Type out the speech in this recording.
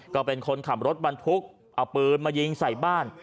ก็เป็นคนขับรถบรรทุกเอาปืนมายิงใส่บ้าน